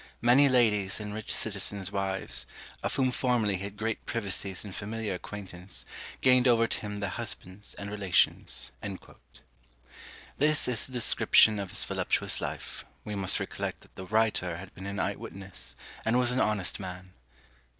Many ladies and rich citizens' wives, of whom formerly he had great privacies and familiar acquaintance, gained over to him their husbands and relations." This is the description of his voluptuous life; we must recollect that the writer had been an eye witness, and was an honest man.